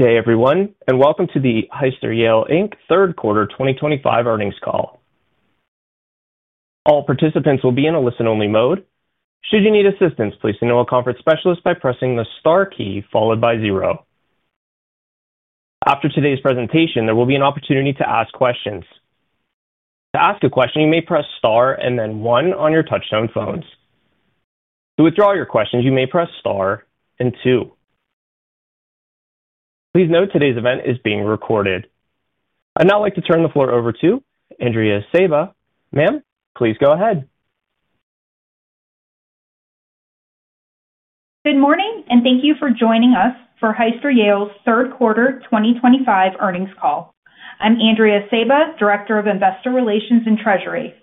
Today, everyone, and welcome to the Hyster-Yale, Inc. third quarter 2025 earnings call. All participants will be in a listen-only mode. Should you need assistance, please email a conference specialist by pressing the star key followed by zero. After today's presentation, there will be an opportunity to ask questions. To ask a question, you may press star and then one on your touchstone phones. To withdraw your questions, you may press star and two. Please note today's event is being recorded. I'd now like to turn the floor over to Andrea Sejba. Ma'am, please go ahead. Good morning, and thank you for joining us for Hyster-Yale's third quarter 2025 earnings call. I'm Andrea Sejba, Director of Investor Relations and Treasury.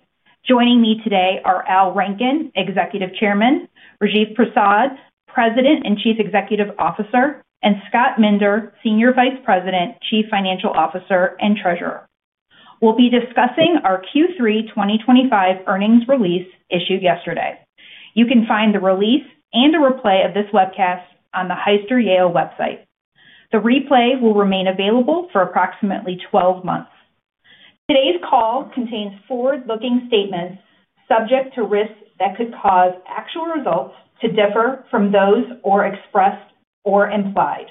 Joining me today are Al Rankin, Executive Chairman, Rajiv Prasad, President and Chief Executive Officer, and Scott Minder, Senior Vice President, Chief Financial Officer, and Treasurer. We'll be discussing our Q3 2025 earnings release issued yesterday. You can find the release and a replay of this webcast on the Hyster-Yale website. The replay will remain available for approximately 12 months. Today's call contains forward-looking statements subject to risks that could cause actual results to differ from those expressed or implied.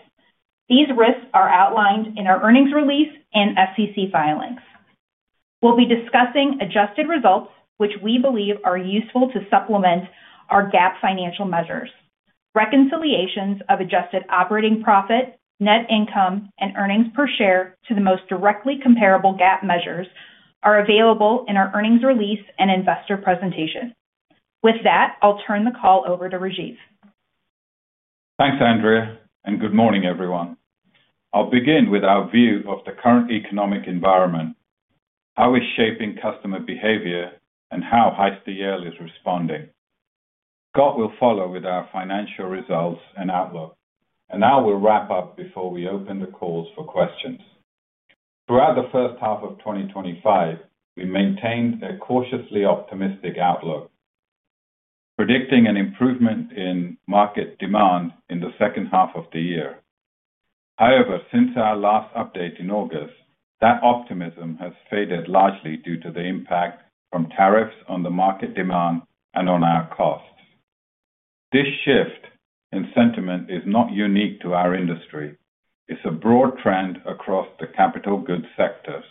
These risks are outlined in our earnings release and SEC filings. We'll be discussing adjusted results, which we believe are useful to supplement our GAAP financial measures. Reconciliations of adjusted operating profit, net income, and earnings per share to the most directly comparable GAAP measures are available in our earnings release and investor presentation. With that, I'll turn the call over to Rajiv. Thanks, Andrea, and good morning, everyone. I'll begin with our view of the current economic environment. How it is shaping customer behavior, and how Hyster-Yale is responding. Scott will follow with our financial results and outlook, and then we'll wrap up before we open the call for questions. Throughout the first half of 2025, we maintained a cautiously optimistic outlook, predicting an improvement in market demand in the second half of the year. However, since our last update in August, that optimism has faded largely due to the impact from tariffs on the market demand and on our costs. This shift in sentiment is not unique to our industry. It's a broad trend across the capital goods sectors.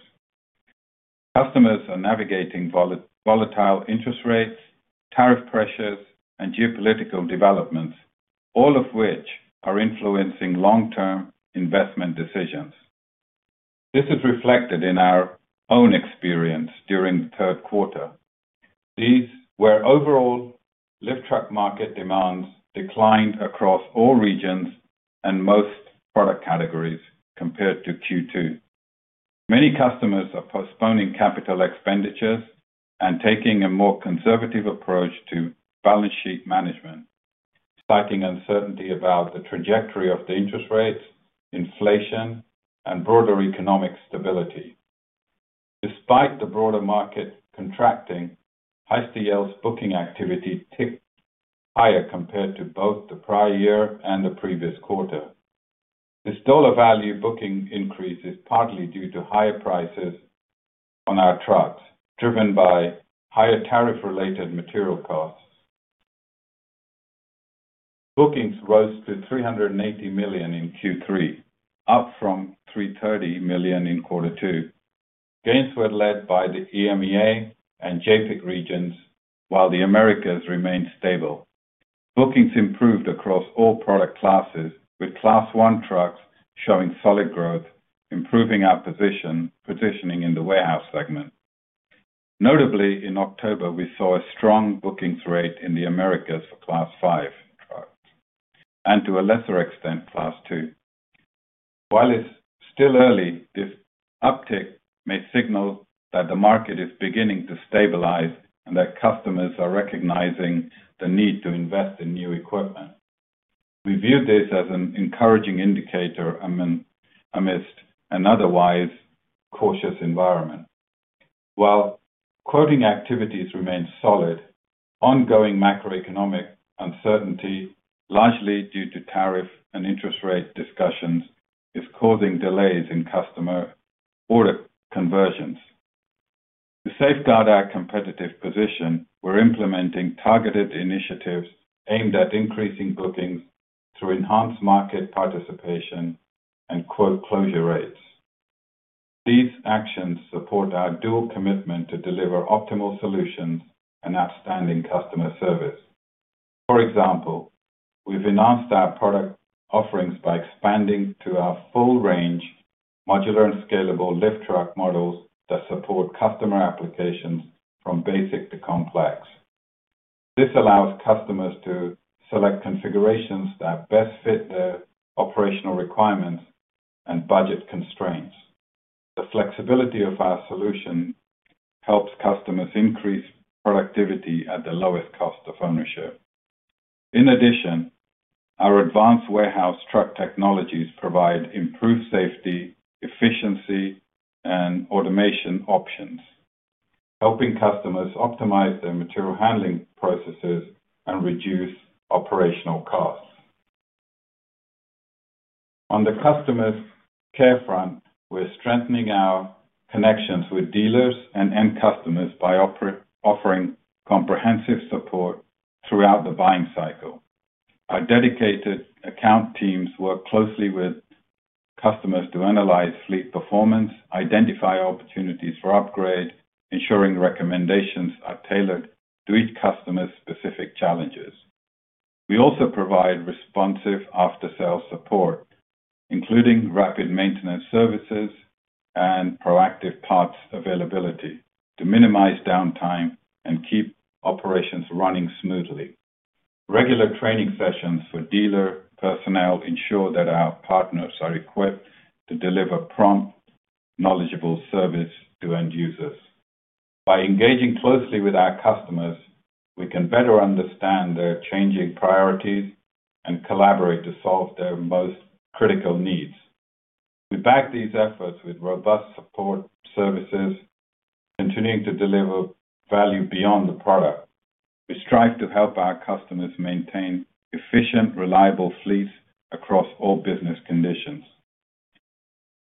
Customers are navigating volatile interest rates, tariff pressures, and geopolitical developments, all of which are influencing long-term investment decisions. This is reflected in our own experience during the third quarter. These were overall lift truck market demands declined across all regions and most product categories compared to Q2. Many customers are postponing capital expenditures and taking a more conservative approach to balance sheet management, citing uncertainty about the trajectory of the interest rates, inflation, and broader economic stability. Despite the broader market contracting, Hyster-Yale's booking activity ticked higher compared to both the prior year and the previous quarter. This dollar value booking increase is partly due to higher prices on our trucks, driven by higher tariff-related material costs. Bookings rose to $380 million in Q3, up from $330 million in Q2. Gains were led by the EMEA and JPAC regions, while the Americas remained stable. Bookings improved across all product classes, with Class 1 trucks showing solid growth, improving our positioning in the warehouse segment. Notably, in October, we saw a strong bookings rate in the Americas for Class 5 trucks, and to a lesser extent, Class 2. While it's still early, this uptick may signal that the market is beginning to stabilize and that customers are recognizing the need to invest in new equipment. We view this as an encouraging indicator amidst an otherwise cautious environment. While quoting activities remain solid, ongoing macroeconomic uncertainty, largely due to tariff and interest rate discussions, is causing delays in customer order conversions. To safeguard our competitive position, we're implementing targeted initiatives aimed at increasing bookings to enhance market participation and quote closure rates. These actions support our dual commitment to deliver optimal solutions and outstanding customer service. For example, we've announced our product offerings by expanding to our full-range, modular, and scalable lift truck models that support customer applications from basic to complex. This allows customers to select configurations that best fit their operational requirements and budget constraints. The flexibility of our solution helps customers increase productivity at the lowest cost of ownership. In addition, our advanced warehouse truck technologies provide improved safety, efficiency, and automation options, helping customers optimize their material handling processes and reduce operational costs. On the customer's care front, we're strengthening our connections with dealers and end customers by offering comprehensive support throughout the buying cycle. Our dedicated account teams work closely with customers to analyze fleet performance, identify opportunities for upgrade, ensuring recommendations are tailored to each customer's specific challenges. We also provide responsive after-sales support, including rapid maintenance services and proactive parts availability to minimize downtime and keep operations running smoothly. Regular training sessions for dealer personnel ensure that our partners are equipped to deliver prompt, knowledgeable service to end users. By engaging closely with our customers, we can better understand their changing priorities and collaborate to solve their most critical needs. We back these efforts with robust support services, continuing to deliver value beyond the product. We strive to help our customers maintain efficient, reliable fleets across all business conditions.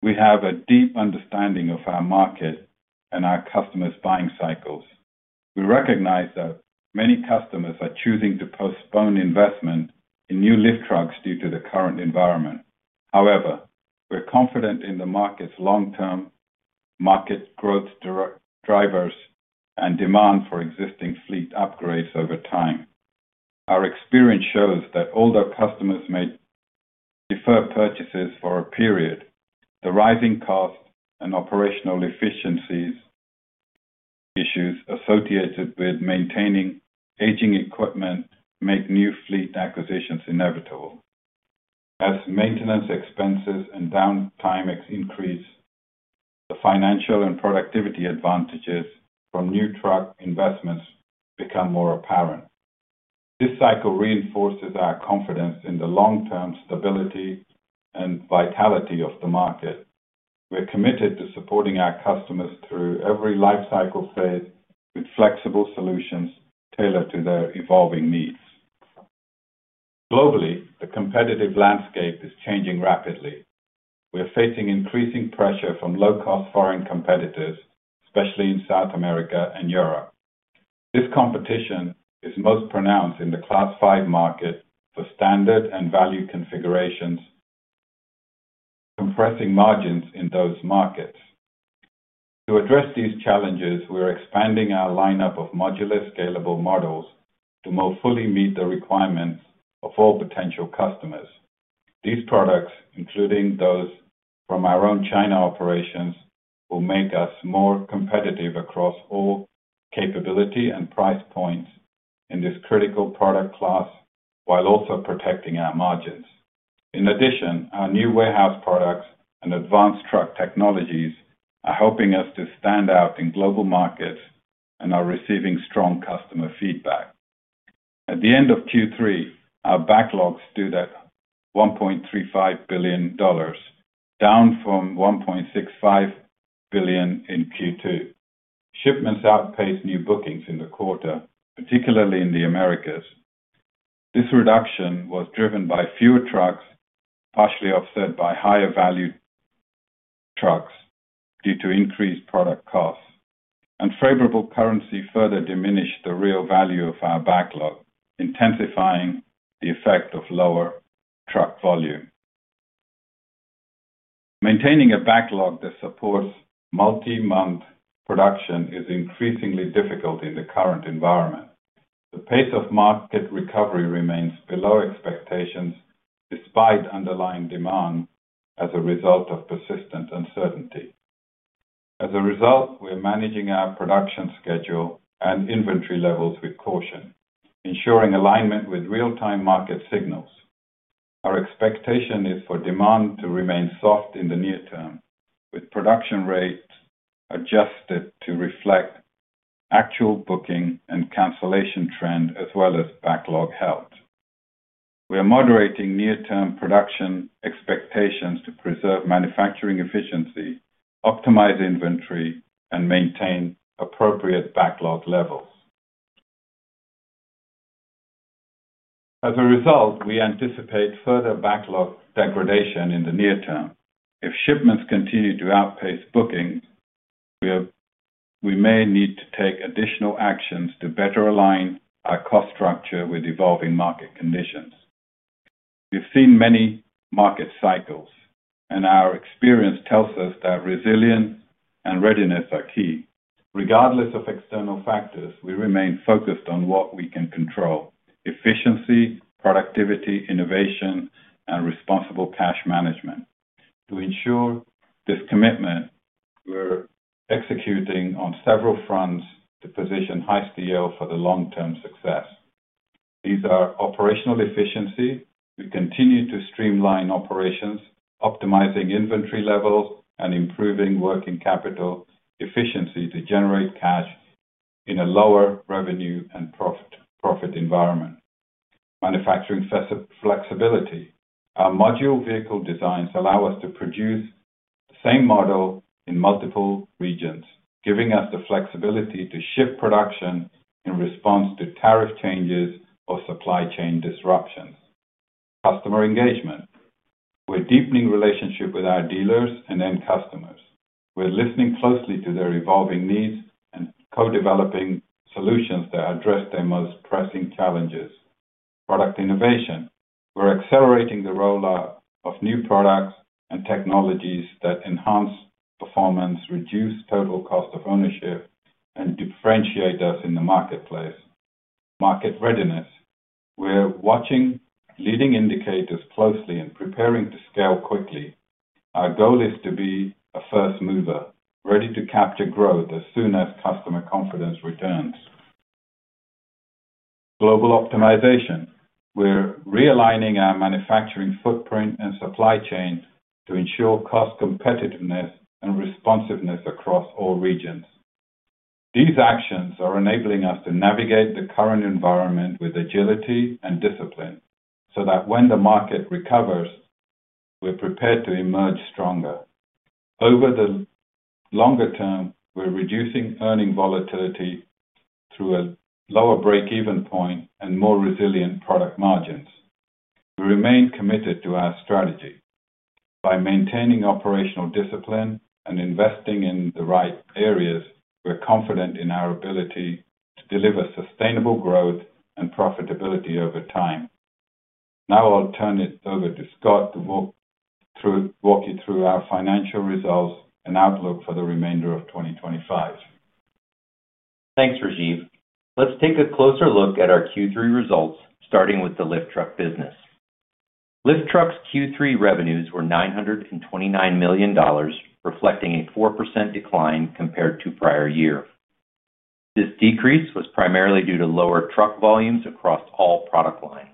We have a deep understanding of our market and our customers' buying cycles. We recognize that many customers are choosing to postpone investment in new lift trucks due to the current environment. However, we're confident in the market's long-term market growth drivers and demand for existing fleet upgrades over time. Our experience shows that older customers may defer purchases for a period. The rising costs and operational efficiencies issues associated with maintaining aging equipment make new fleet acquisitions inevitable. As maintenance expenses and downtime increase, the financial and productivity advantages from new truck investments become more apparent. This cycle reinforces our confidence in the long-term stability and vitality of the market. We're committed to supporting our customers through every life cycle phase with flexible solutions tailored to their evolving needs. Globally, the competitive landscape is changing rapidly. We're facing increasing pressure from low-cost foreign competitors, especially in South America and Europe. This competition is most pronounced in the Class 5 market for standard and value configurations, compressing margins in those markets. To address these challenges, we're expanding our lineup of modular, scalable models to more fully meet the requirements of all potential customers. These products, including those from our own China operations, will make us more competitive across all capability and price points in this critical product class while also protecting our margins. In addition, our new warehouse products and advanced truck technologies are helping us to stand out in global markets and are receiving strong customer feedback. At the end of Q3, our backlog stood at $1.35 billion, down from $1.65 billion in Q2. Shipments outpaced new bookings in the quarter, particularly in the Americas. This reduction was driven by fewer trucks, partially offset by higher value trucks due to increased product costs. Favorable currency further diminished the real value of our backlog, intensifying the effect of lower truck volume. Maintaining a backlog that supports multi-month production is increasingly difficult in the current environment. The pace of market recovery remains below expectations despite underlying demand as a result of persistent uncertainty. As a result, we're managing our production schedule and inventory levels with caution, ensuring alignment with real-time market signals. Our expectation is for demand to remain soft in the near term, with production rates adjusted to reflect actual booking and cancellation trend as well as backlog health. We're moderating near-term production expectations to preserve manufacturing efficiency, optimize inventory, and maintain appropriate backlog levels. As a result, we anticipate further backlog degradation in the near term. If shipments continue to outpace bookings, we may need to take additional actions to better align our cost structure with evolving market conditions. We've seen many market cycles, and our experience tells us that resilience and readiness are key. Regardless of external factors, we remain focused on what we can control: efficiency, productivity, innovation, and responsible cash management. To ensure this commitment, we're executing on several fronts to position Hyster-Yale for the long-term success. These are operational efficiency. We continue to streamline operations, optimizing inventory levels and improving working capital efficiency to generate cash in a lower revenue and profit environment. Manufacturing flexibility. Our modular vehicle designs allow us to produce the same model in multiple regions, giving us the flexibility to shift production in response to tariff changes or supply chain disruptions. Customer engagement. We're deepening relationships with our dealers and end customers. We're listening closely to their evolving needs and co-developing solutions that address their most pressing challenges. Product innovation. We're accelerating the rollout of new products and technologies that enhance performance, reduce total cost of ownership, and differentiate us in the marketplace. Market readiness. We're watching leading indicators closely and preparing to scale quickly. Our goal is to be a first mover, ready to capture growth as soon as customer confidence returns. Global optimization. We're realigning our manufacturing footprint and supply chain to ensure cost competitiveness and responsiveness across all regions. These actions are enabling us to navigate the current environment with agility and discipline so that when the market recovers, we're prepared to emerge stronger. Over the longer term, we're reducing earning volatility through a lower break-even point and more resilient product margins. We remain committed to our strategy. By maintaining operational discipline and investing in the right areas, we're confident in our ability to deliver sustainable growth and profitability over time. Now I'll turn it over to Scott to walk you through our financial results and outlook for the remainder of 2025. Thanks, Rajiv. Let's take a closer look at our Q3 results, starting with the lift truck business. Lift trucks' Q3 revenues were $929 million, reflecting a 4% decline compared to the prior year. This decrease was primarily due to lower truck volumes across all product lines.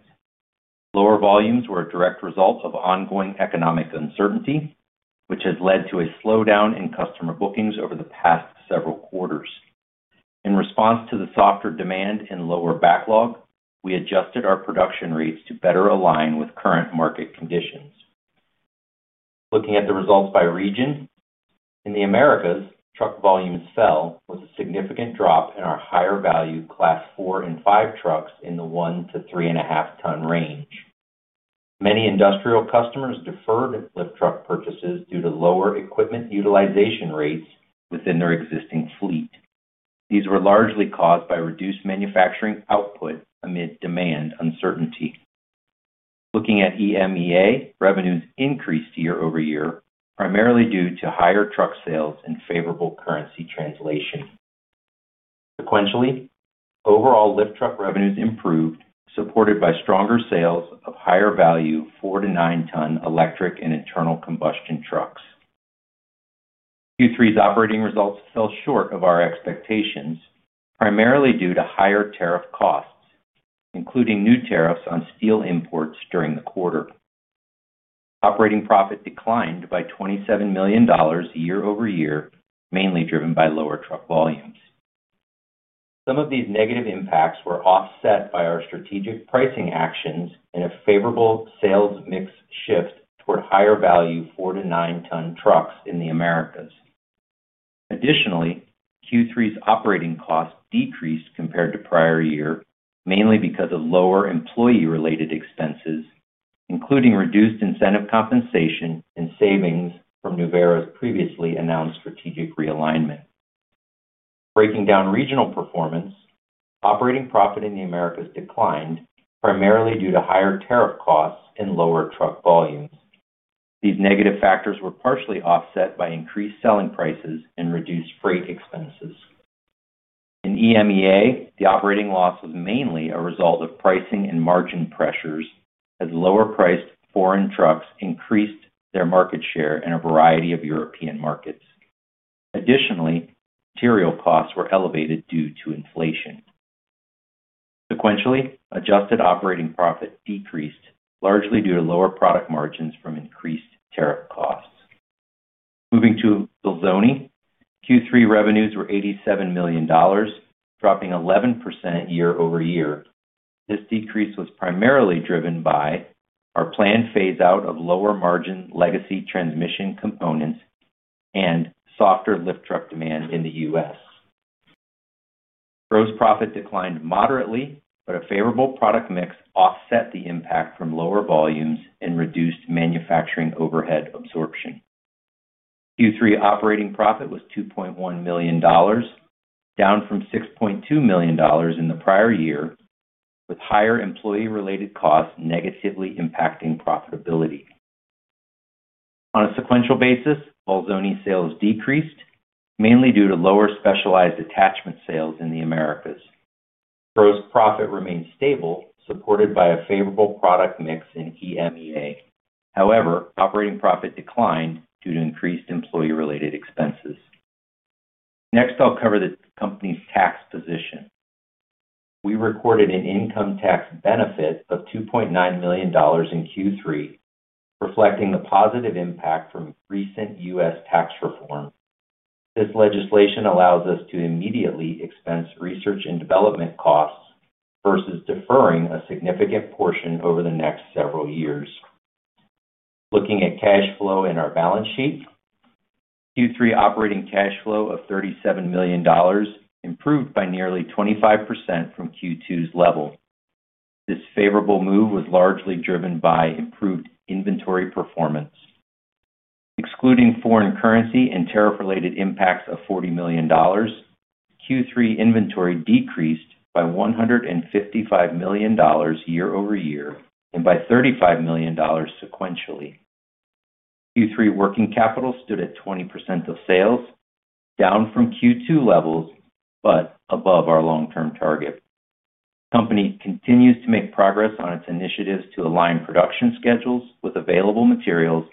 Lower volumes were a direct result of ongoing economic uncertainty, which has led to a slowdown in customer bookings over the past several quarters. In response to the softer demand and lower backlog, we adjusted our production rates to better align with current market conditions. Looking at the results by region. In the Americas, truck volumes fell with a significant drop in our higher-value Class 4 and 5 trucks in the 1 ton-3.5 ton range. Many industrial customers deferred lift truck purchases due to lower equipment utilization rates within their existing fleet. These were largely caused by reduced manufacturing output amid demand uncertainty. Looking at EMEA, revenues increased year-over-year, primarily due to higher truck sales and favorable currency translation. Sequentially, overall lift truck revenues improved, supported by stronger sales of higher-value 4-9 ton electric and internal combustion trucks. Q3's operating results fell short of our expectations, primarily due to higher tariff costs, including new tariffs on steel imports during the quarter. Operating profit declined by $27 million year-over-year, mainly driven by lower truck volumes. Some of these negative impacts were offset by our strategic pricing actions and a favorable sales mix shift toward higher-value 4 ton-9 ton trucks in the Americas. Additionally, Q3's operating costs decreased compared to the prior year, mainly because of lower employee-related expenses, including reduced incentive compensation and savings from Nuvera's previously announced strategic realignment. Breaking down regional performance, operating profit in the Americas declined, primarily due to higher tariff costs and lower truck volumes. These negative factors were partially offset by increased selling prices and reduced freight expenses. In EMEA, the operating loss was mainly a result of pricing and margin pressures, as lower-priced foreign trucks increased their market share in a variety of European markets. Additionally, material costs were elevated due to inflation. Sequentially, adjusted operating profit decreased, largely due to lower product margins from increased tariff costs. Moving to Bolzoni, Q3 revenues were $87 million, dropping 11% year-over-year. This decrease was primarily driven by our planned phase-out of lower-margin legacy transmission components and softer lift truck demand in the US. Gross profit declined moderately, but a favorable product mix offset the impact from lower volumes and reduced manufacturing overhead absorption. Q3 operating profit was $2.1 million, down from $6.2 million in the prior year, with higher employee-related costs negatively impacting profitability. On a sequential basis, Bolzoni sales decreased, mainly due to lower specialized attachment sales in the Americas. Gross profit remained stable, supported by a favorable product mix in EMEA. However, operating profit declined due to increased employee-related expenses. Next, I'll cover the company's tax position. We recorded an income tax benefit of $2.9 million in Q3, reflecting the positive impact from recent U.S. tax reform. This legislation allows us to immediately expense research and development costs versus deferring a significant portion over the next several years. Looking at cash flow in our balance sheet. Q3 operating cash flow of $37 million improved by nearly 25% from Q2's level. This favorable move was largely driven by improved inventory performance. Excluding foreign currency and tariff-related impacts of $40 million, Q3 inventory decreased by $155 million year-over-year and by $35 million sequentially. Q3 working capital stood at 20% of sales, down from Q2 levels but above our long-term target. The company continues to make progress on its initiatives to align production schedules with available materials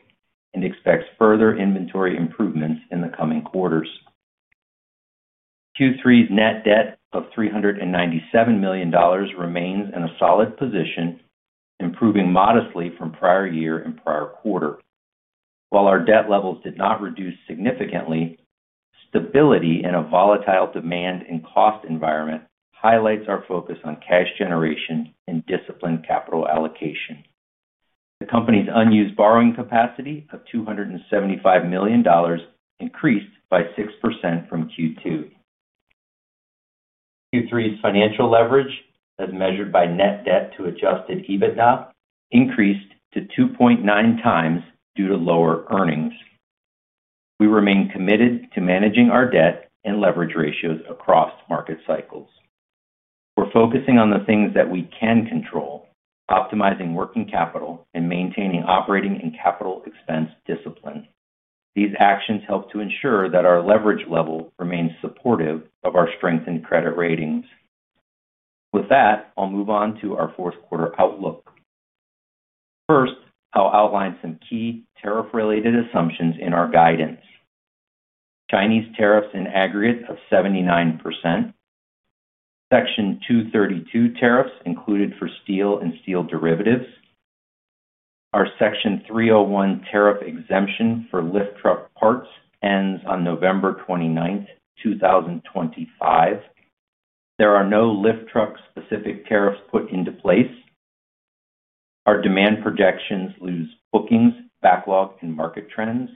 and expects further inventory improvements in the coming quarters. Q3's net debt of $397 million remains in a solid position, improving modestly from the prior year and prior quarter. While our debt levels did not reduce significantly, stability in a volatile demand and cost environment highlights our focus on cash generation and disciplined capital allocation. The company's unused borrowing capacity of $275 million increased by 6% from Q2. Q3's financial leverage, as measured by net debt to adjusted EBITDA, increased to 2.9x due to lower earnings. We remain committed to managing our debt and leverage ratios across market cycles. We're focusing on the things that we can control, optimizing working capital and maintaining operating and capital expense discipline. These actions help to ensure that our leverage level remains supportive of our strengthened credit ratings. With that, I'll move on to our fourth quarter outlook. First, I'll outline some key tariff-related assumptions in our guidance. Chinese tariffs in aggregate of 79%. Section 232 tariffs included for steel and steel derivatives. Our Section 301 tariff exemption for lift truck parts ends on November 29, 2025. There are no lift truck-specific tariffs put into place. Our demand projections use bookings, backlog, and market trends.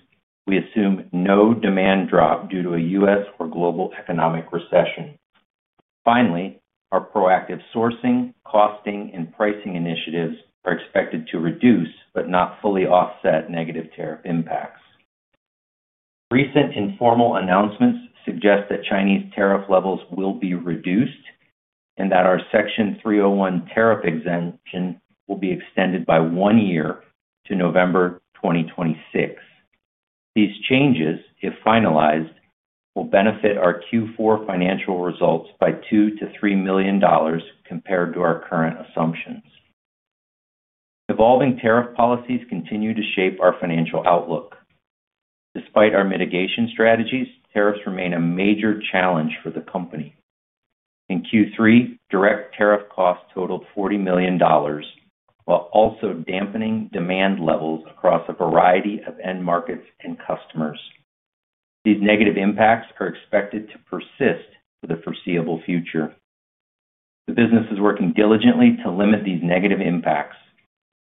We assume no demand drop due to a U.S. or global economic recession. Finally, our proactive sourcing, costing, and pricing initiatives are expected to reduce but not fully offset negative tariff impacts. Recent informal announcements suggest that Chinese tariff levels will be reduced and that our Section 301 tariff exemption will be extended by one year to November 2026. These changes, if finalized, will benefit our Q4 financial results by $2 million-$3 million compared to our current assumptions. Evolving tariff policies continue to shape our financial outlook. Despite our mitigation strategies, tariffs remain a major challenge for the company. In Q3, direct tariff costs totaled $40 million. While also dampening demand levels across a variety of end markets and customers. These negative impacts are expected to persist for the foreseeable future. The business is working diligently to limit these negative impacts.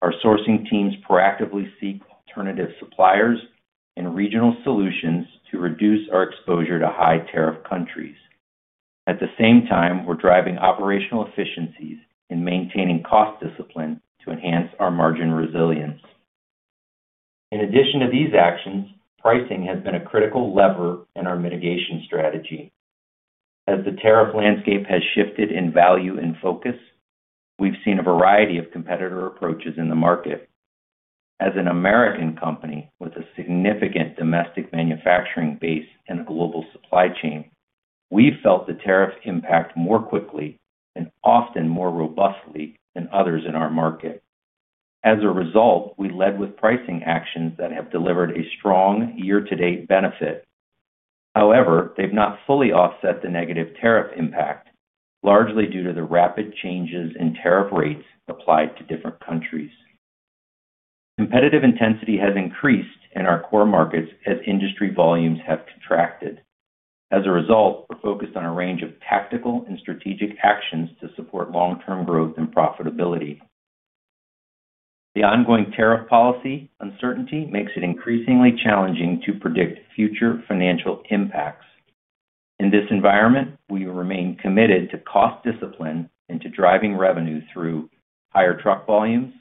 Our sourcing teams proactively seek alternative suppliers and regional solutions to reduce our exposure to high-tariff countries. At the same time, we're driving operational efficiencies and maintaining cost discipline to enhance our margin resilience. In addition to these actions, pricing has been a critical lever in our mitigation strategy. As the tariff landscape has shifted in value and focus, we've seen a variety of competitor approaches in the market. As an American company with a significant domestic manufacturing base and a global supply chain, we've felt the tariff impact more quickly and often more robustly than others in our market. As a result, we led with pricing actions that have delivered a strong year-to-date benefit. However, they've not fully offset the negative tariff impact, largely due to the rapid changes in tariff rates applied to different countries. Competitive intensity has increased in our core markets as industry volumes have contracted. As a result, we're focused on a range of tactical and strategic actions to support long-term growth and profitability. The ongoing tariff policy uncertainty makes it increasingly challenging to predict future financial impacts. In this environment, we remain committed to cost discipline and to driving revenue through higher truck volumes,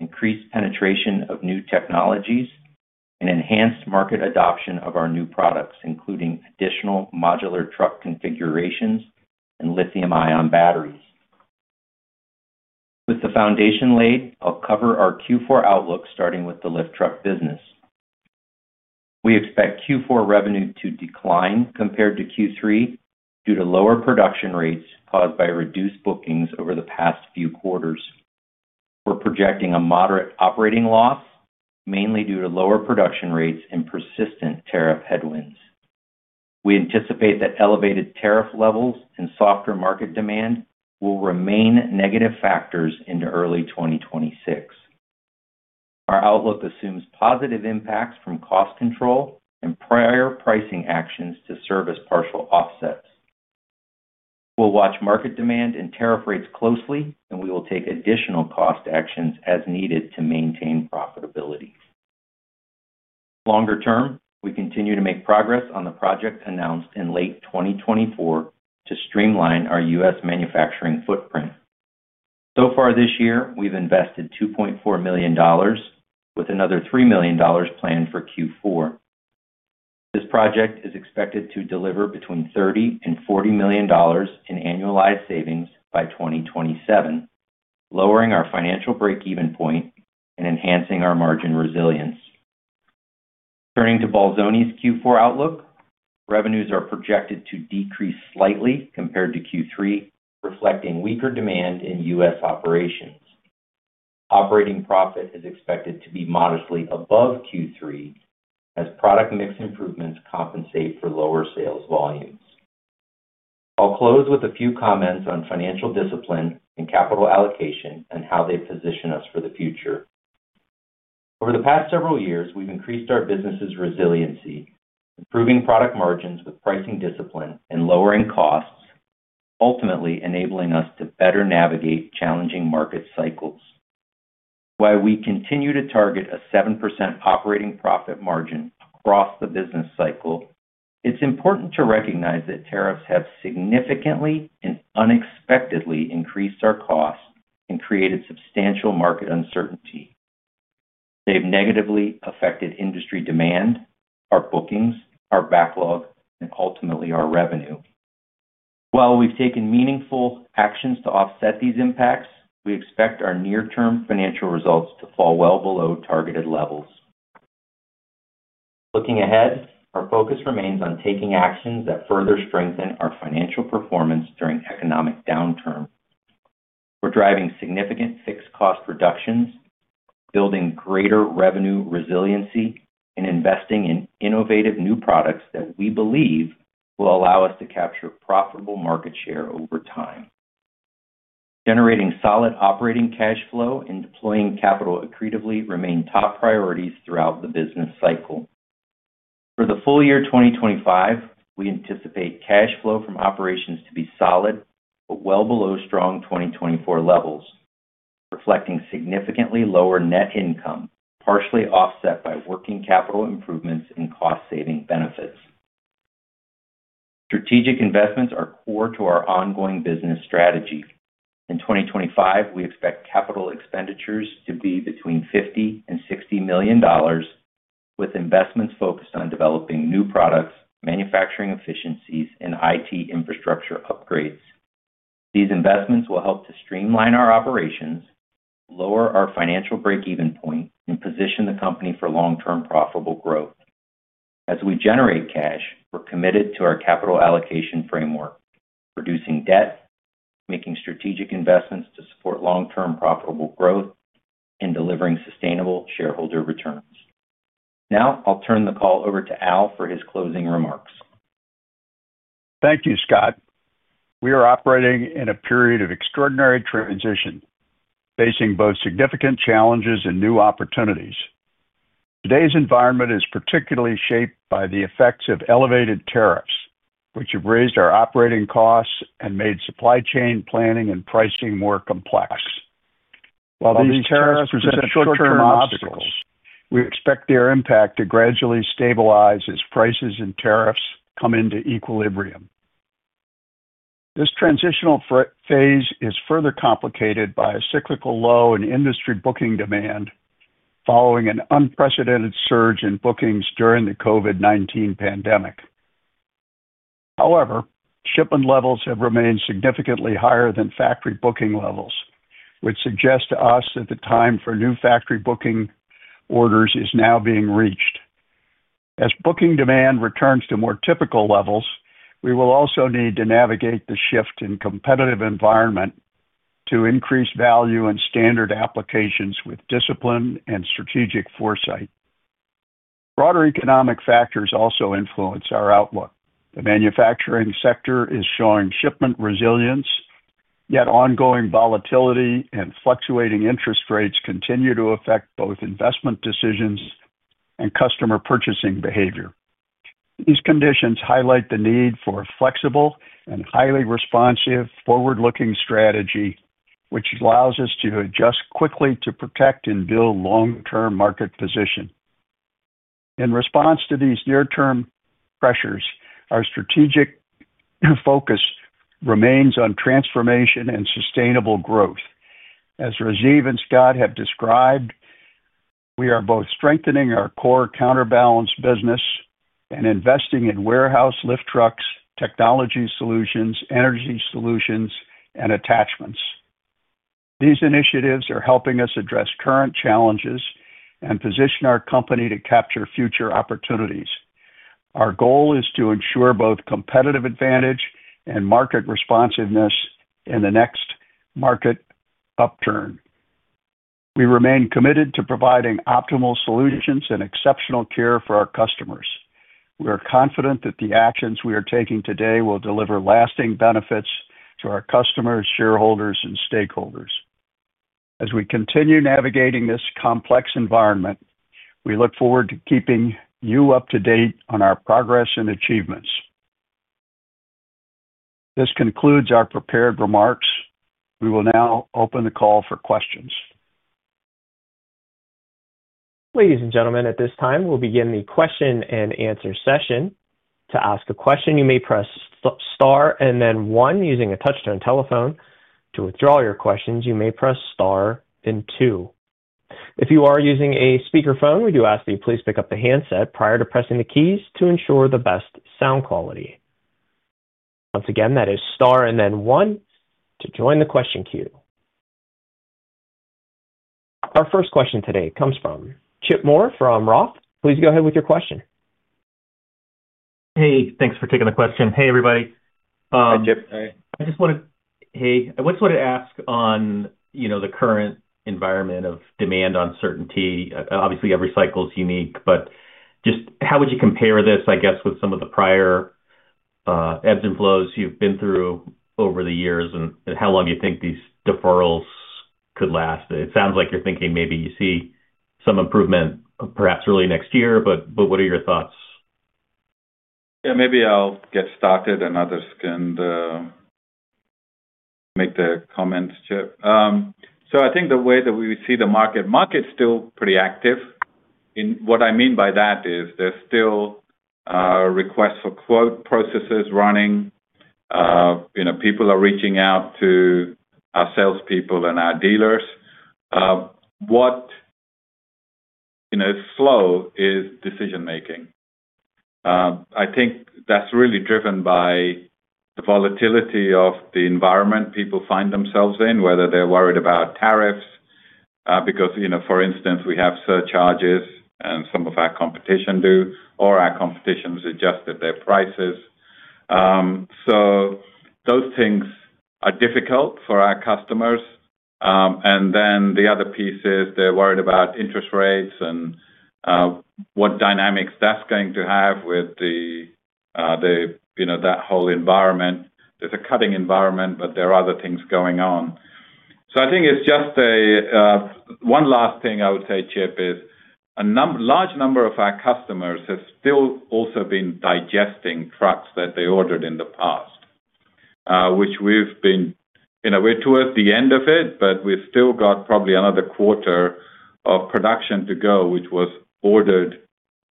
increased penetration of new technologies, and enhanced market adoption of our new products, including additional modular truck configurations and lithium-ion batteries. With the foundation laid, I'll cover our Q4 outlook, starting with the lift truck business. We expect Q4 revenue to decline compared to Q3 due to lower production rates caused by reduced bookings over the past few quarters. We're projecting a moderate operating loss, mainly due to lower production rates and persistent tariff headwinds. We anticipate that elevated tariff levels and softer market demand will remain negative factors into early 2026. Our outlook assumes positive impacts from cost control and prior pricing actions to serve as partial offsets. We'll watch market demand and tariff rates closely, and we will take additional cost actions as needed to maintain profitability. Longer term, we continue to make progress on the project announced in late 2024 to streamline our U.S. manufacturing footprint. So far this year, we've invested $2.4 million, with another $3 million planned for Q4. This project is expected to deliver between $30 million and $40 million in annualized savings by 2027, lowering our financial break-even point and enhancing our margin resilience. Turning to Bolzoni's Q4 outlook, revenues are projected to decrease slightly compared to Q3, reflecting weaker demand in U.S. Operations. Operating profit is expected to be modestly above Q3, as product mix improvements compensate for lower sales volumes. I'll close with a few comments on financial discipline and capital allocation and how they position us for the future. Over the past several years, we've increased our business's resiliency, improving product margins with pricing discipline and lowering costs, ultimately enabling us to better navigate challenging market cycles. While we continue to target a 7% operating profit margin across the business cycle, it's important to recognize that tariffs have significantly and unexpectedly increased our costs and created substantial market uncertainty. They've negatively affected industry demand, our bookings, our backlog, and ultimately our revenue. While we've taken meaningful actions to offset these impacts, we expect our near-term financial results to fall well below targeted levels. Looking ahead, our focus remains on taking actions that further strengthen our financial performance during economic downturns. We're driving significant fixed cost reductions, building greater revenue resiliency, and investing in innovative new products that we believe will allow us to capture profitable market share over time. Generating solid operating cash flow and deploying capital accretively remain top priorities throughout the business cycle. For the full year 2025, we anticipate cash flow from operations to be solid but well below strong 2024 levels, reflecting significantly lower net income, partially offset by working capital improvements and cost-saving benefits. Strategic investments are core to our ongoing business strategy. In 2025, we expect capital expenditures to be between $50 million and $60 million, with investments focused on developing new products, manufacturing efficiencies, and IT infrastructure upgrades. These investments will help to streamline our operations, lower our financial break-even point, and position the company for long-term profitable growth. As we generate cash, we're committed to our capital allocation framework, reducing debt, making strategic investments to support long-term profitable growth, and delivering sustainable shareholder returns. Now, I'll turn the call over to Al for his closing remarks. Thank you, Scott. We are operating in a period of extraordinary transition, facing both significant challenges and new opportunities. Today's environment is particularly shaped by the effects of elevated tariffs, which have raised our operating costs and made supply chain planning and pricing more complex. While these tariffs present short-term obstacles, we expect their impact to gradually stabilize as prices and tariffs come into equilibrium. This transitional phase is further complicated by a cyclical low in industry booking demand following an unprecedented surge in bookings during the COVID-19 pandemic. However, shipment levels have remained significantly higher than factory booking levels, which suggests to us that the time for new factory booking orders is now being reached. As booking demand returns to more typical levels, we will also need to navigate the shift in competitive environment to increase value and standard applications with discipline and strategic foresight. Broader economic factors also influence our outlook. The manufacturing sector is showing shipment resilience, yet ongoing volatility and fluctuating interest rates continue to affect both investment decisions and customer purchasing behavior. These conditions highlight the need for a flexible and highly responsive, forward-looking strategy, which allows us to adjust quickly to protect and build long-term market positions. In response to these near-term pressures, our strategic focus remains on transformation and sustainable growth. As Rajiv and Scott have described, we are both strengthening our core counterbalance business and investing in warehouse lift trucks, technology solutions, energy solutions, and attachments. These initiatives are helping us address current challenges and position our company to capture future opportunities. Our goal is to ensure both competitive advantage and market responsiveness in the next market upturn. We remain committed to providing optimal solutions and exceptional care for our customers. We are confident that the actions we are taking today will deliver lasting benefits to our customers, shareholders, and stakeholders. As we continue navigating this complex environment, we look forward to keeping you up to date on our progress and achievements. This concludes our prepared remarks. We will now open the call for questions. Ladies and gentlemen, at this time, we'll begin the question and answer session. To ask a question, you may press star and then one using a touch-tone telephone. To withdraw your questions, you may press star and two. If you are using a speakerphone, we do ask that you please pick up the handset prior to pressing the keys to ensure the best sound quality. Once again, that is star and then one to join the question queue. Our first question today comes from Chip Moore from Roth. Please go ahead with your question. Hey, thanks for taking the question. Hey, everybody. Hi, Chip. I just want to—hey, I just wanted to ask on the current environment of demand uncertainty. Obviously, every cycle is unique, but just how would you compare this, I guess, with some of the prior ebbs and flows you've been through over the years and how long you think these deferrals could last? It sounds like you're thinking maybe you see some improvement perhaps early next year, but what are your thoughts? Yeah, maybe I'll get started and others can make their comments, Chip. I think the way that we see the market, market's still pretty active. What I mean by that is there's still a request for quote processes running. People are reaching out to our salespeople and our dealers. What is slow is decision-making. I think that's really driven by. The volatility of the environment people find themselves in, whether they're worried about tariffs because, for instance, we have surcharges and some of our competition do, or our competition has adjusted their prices. Those things are difficult for our customers. The other piece is they're worried about interest rates and what dynamics that's going to have with that whole environment. There's a cutting environment, but there are other things going on. I think it's just. One last thing I would say, Chip, is a large number of our customers have still also been digesting trucks that they ordered in the past, which we've been—we're towards the end of it, but we've still got probably another quarter of production to go, which was ordered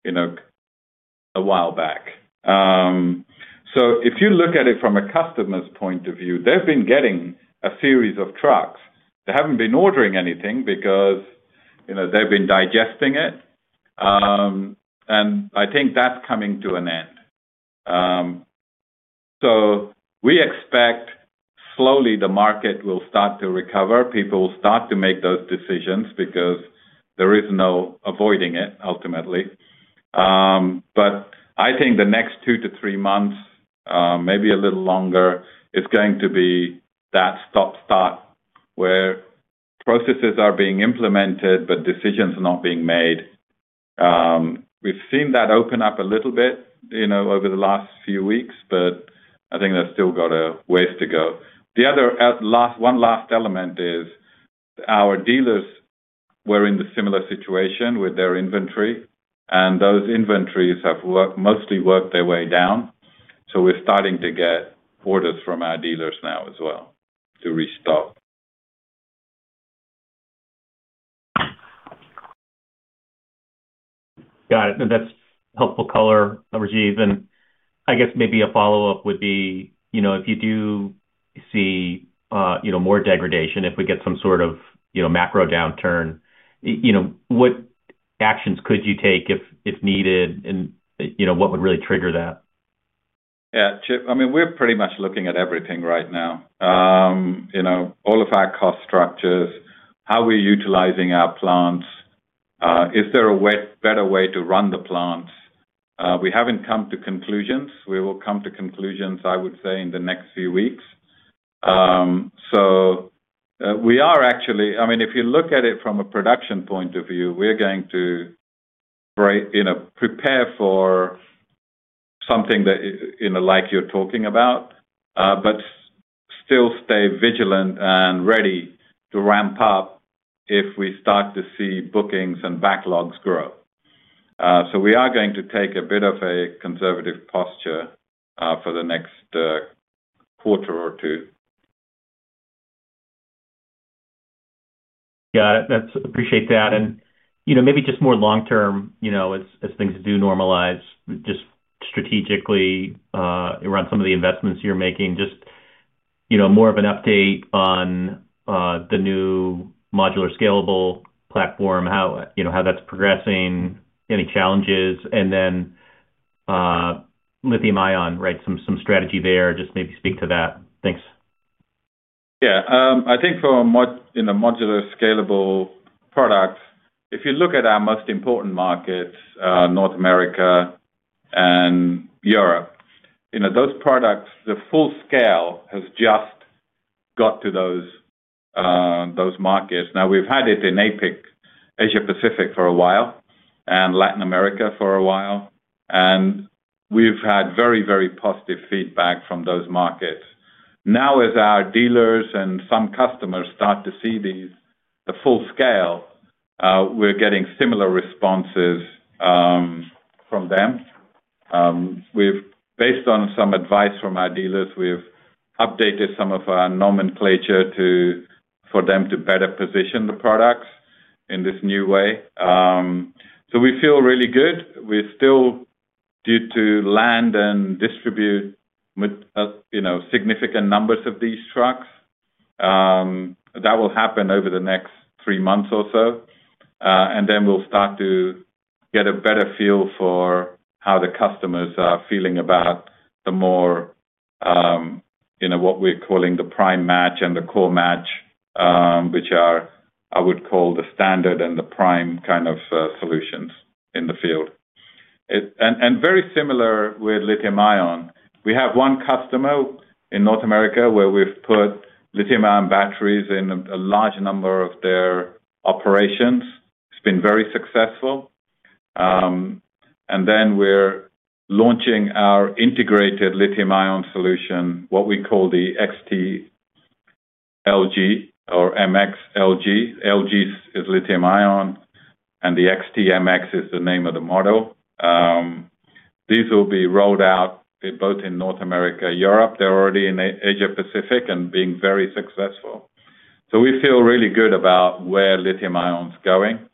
a while back. If you look at it from a customer's point of view, they've been getting a series of trucks. They haven't been ordering anything because they've been digesting it. I think that's coming to an end. We expect slowly the market will start to recover. People will start to make those decisions because there is no avoiding it, ultimately. I think the next two to three months, maybe a little longer, is going to be that stop-start where processes are being implemented but decisions are not being made. We've seen that open up a little bit over the last few weeks, but I think there's still got a ways to go. The other one last element is our dealers were in the similar situation with their inventory, and those inventories have mostly worked their way down. We're starting to get orders from our dealers now as well to restock. Got it. That's helpful color, Rajiv. I guess maybe a follow-up would be if you do see more degradation, if we get some sort of macro downturn. What actions could you take if needed, and what would really trigger that? Yeah, Chip, I mean, we're pretty much looking at everything right now. All of our cost structures, how we're utilizing our plants. Is there a better way to run the plants? We haven't come to conclusions. We will come to conclusions, I would say, in the next few weeks. We are actually—I mean, if you look at it from a production point of view, we're going to prepare for something like you're talking about, but still stay vigilant and ready to ramp up if we start to see bookings and backlogs grow. We are going to take a bit of a conservative posture for the next quarter or two. Got it. Appreciate that. Maybe just more long-term, as things do normalize, just strategically. Around some of the investments you're making, just more of an update on the new modular scalable platform, how that's progressing, any challenges. Then lithium-ion, right, some strategy there. Just maybe speak to that. Thanks. Yeah. I think for modular scalable products, if you look at our most important markets, North America and Europe, those products, the full scale has just got to those markets now. We've had it in Asia-Pacific for a while, and Latin America for a while. And we've had very, very positive feedback from those markets. Now, as our dealers and some customers start to see the full scale, we're getting similar responses from them. Based on some advice from our dealers, we've updated some of our nomenclature for them to better position the products in this new way. We feel really good. We're still due to land and distribute significant numbers of these trucks. That will happen over the next three months or so. Then we'll start to get a better feel for how the customers are feeling about the more, what we're calling the prime match and the core match, which I would call the standard and the prime kind of solutions in the field. Very similar with lithium-ion. We have one customer in North America where we've put lithium-ion batteries in a large number of their operations. It's been very successful. Then we're launching our integrated lithium-ion solution, what we call the XTLG or MXLG. LG is lithium-ion, and the XT MX is the name of the model. These will be rolled out both in North America and Europe. They're already in Asia-Pacific and being very successful. So we feel really good about where lithium-ion is going.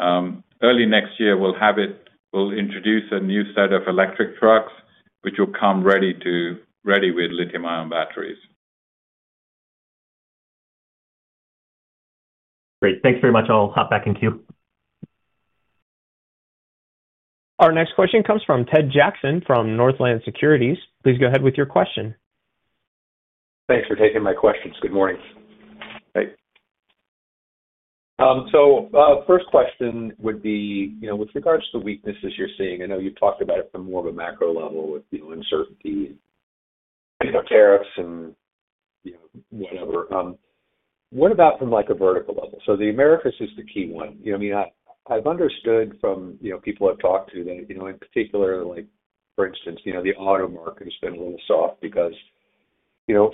Early next year, we'll have it. We'll introduce a new set of electric trucks, which will come ready with lithium-ion batteries. Great. Thanks very much. I'll hop back in queue. Our next question comes from Ted Jackson from Northland Securities. Please go ahead with your question. Thanks for taking my questions. Good morning. Great. First question would be, with regards to weaknesses you're seeing, I know you've talked about it from more of a macro level with uncertainty and tariffs and whatever. What about from a vertical level? The Americas is the key one. I mean, I've understood from people I've talked to that, in particular, for instance, the auto market has been a little soft because you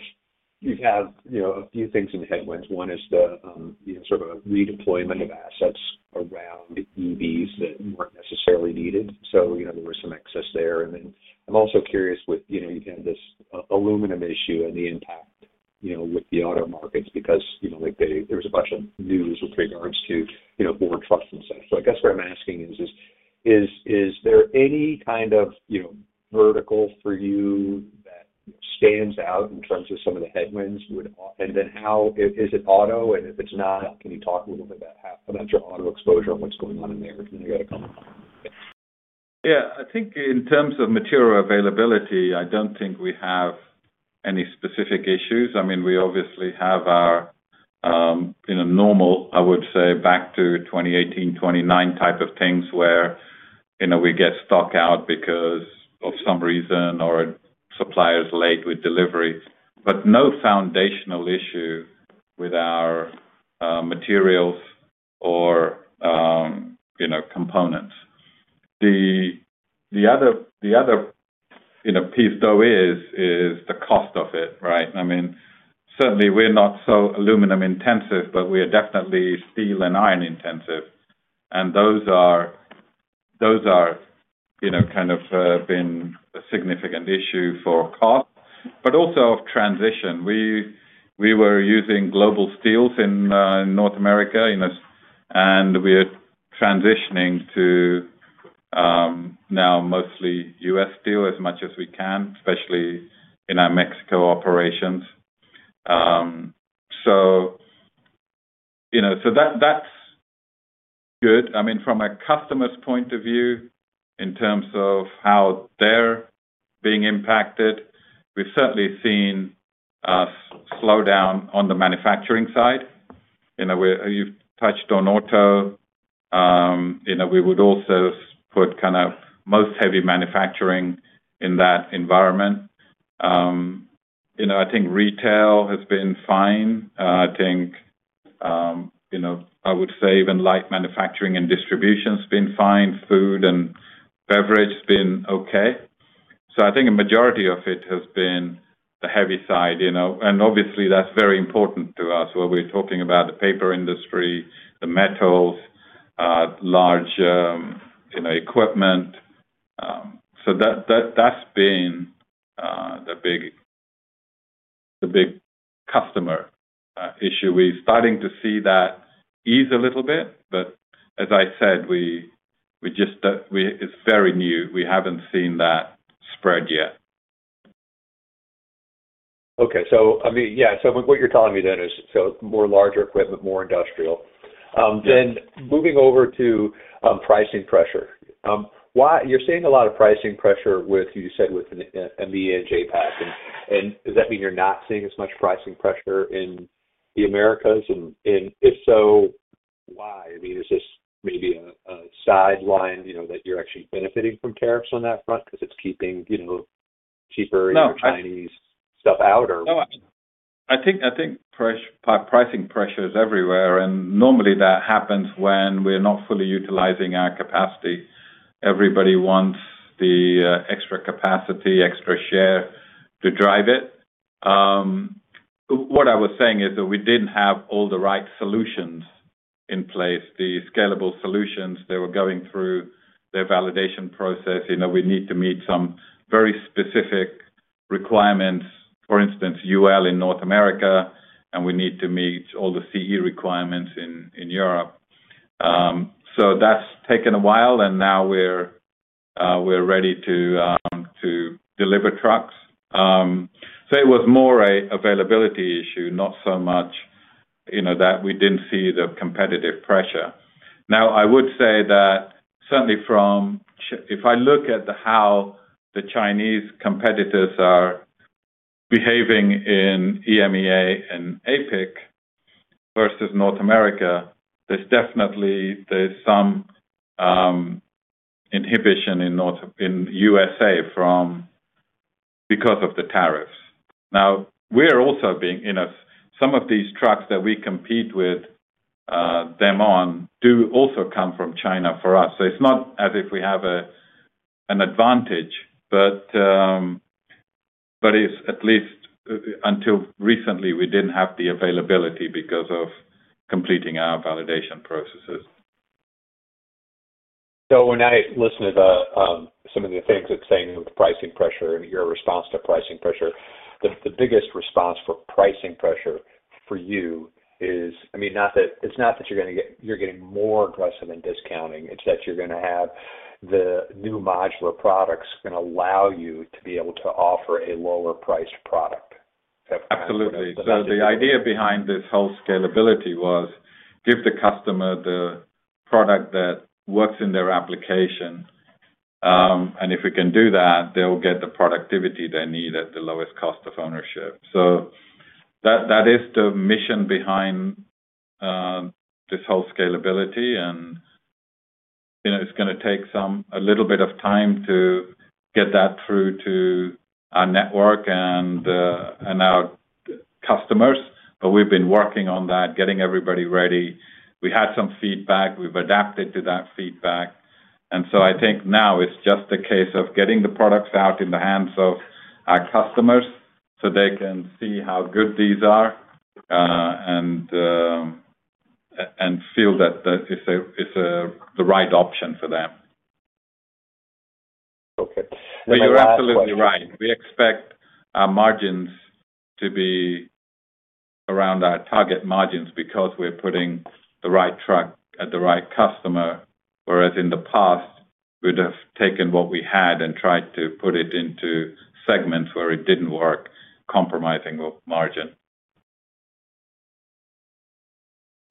have a few things in headwinds. One is the sort of redeployment of assets around EVs that weren't necessarily needed. There was some excess there. I'm also curious, you had this aluminum issue and the impact with the auto markets because there was a bunch of news with regards to Ford trucks and such. I guess what I'm asking is, is there any kind of vertical for you that stands out in terms of some of the headwinds? How is it auto? If it's not, can you talk a little bit about your auto exposure and what's going on in America? You got to come. Yeah. I think in terms of material availability, I don't think we have any specific issues. I mean, we obviously have our normal, I would say, back to 2018, 2019 type of things where we get stuck out because of some reason or suppliers late with delivery. No foundational issue with our. Materials or components. The other piece, though, is the cost of it, right? I mean, certainly, we're not so aluminum-intensive, but we are definitely steel and iron-intensive. And those have kind of been a significant issue for cost, but also of transition. We were using global steels in North America. We're transitioning to now mostly US steel as much as we can, especially in our Mexico operations. That's good. I mean, from a customer's point of view, in terms of how they're being impacted, we've certainly seen a slowdown on the manufacturing side. You've touched on auto. We would also put kind of most heavy manufacturing in that environment. I think retail has been fine. I think I would say even light manufacturing and distribution has been fine. Food and beverage has been okay. I think a majority of it has been the heavy side. Obviously, that's very important to us when we're talking about the paper industry, the metals, large equipment. That's been the big customer issue. We're starting to see that ease a little bit. As I said, it's very new. We haven't seen that spread yet. Okay. I mean, yeah. What you're telling me then is more larger equipment, more industrial. Moving over to pricing pressure, you're seeing a lot of pricing pressure, you said, with EMEA and JPAC. Does that mean you're not seeing as much pricing pressure in the Americas? If so, why? I mean, is this maybe a sideline that you're actually benefiting from tariffs on that front because it's keeping cheaper Chinese stuff out, or? No. I think pricing pressure is everywhere. Normally, that happens when we're not fully utilizing our capacity. Everybody wants the extra capacity, extra share to drive it. What I was saying is that we did not have all the right solutions in place. The scalable solutions, they were going through their validation process. We need to meet some very specific requirements, for instance, UL in North America, and we need to meet all the CE requirements in Europe. That has taken a while, and now we are ready to deliver trucks. It was more an availability issue, not so much that we did not see the competitive pressure. I would say that certainly, if I look at how the Chinese competitors are behaving in EMEA and Asia-Pacific versus North America, there is definitely some inhibition in the United States because of the tariffs. We are also being, in some of these trucks that we compete with, them on do also come from China for us. It is not as if we have an advantage, but at least until recently, we did not have the availability because of completing our validation processes. When I listen to some of the things it is saying with pricing pressure and your response to pricing pressure, the biggest response for pricing pressure for you is, I mean, it is not that you are getting more aggressive in discounting. It is that you are going to have the new modular products going to allow you to be able to offer a lower-priced product. Absolutely. The idea behind this whole scalability was give the customer the product that works in their application. If we can do that, they will get the productivity they need at the lowest cost of ownership. That is the mission behind this whole scalability. It is going to take a little bit of time to get that through to our network and our customers. We've been working on that, getting everybody ready. We had some feedback. We've adapted to that feedback. I think now it's just a case of getting the products out in the hands of our customers so they can see how good these are and feel that it's the right option for them. I think you're absolutely right. We expect our margins to be around our target margins because we're putting the right truck at the right customer, whereas in the past, we'd have taken what we had and tried to put it into segments where it didn't work, compromising the margin.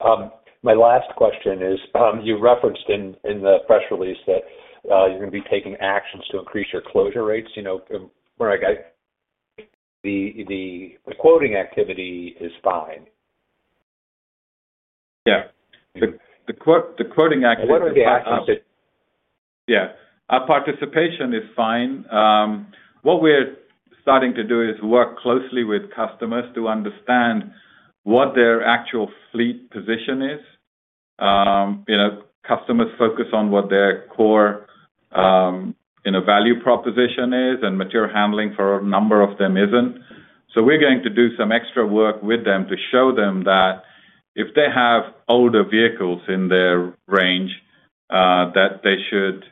My last question is, you referenced in the press release that you're going to be taking actions to increase your closure rates. The quoting activity is fine. Yeah, the quoting activity. Our participation is fine. What we're starting to do is work closely with customers to understand what their actual fleet position is. Customers focus on what their core value proposition is, and material handling for a number of them isn't. We are going to do some extra work with them to show them that if they have older vehicles in their range, that they should.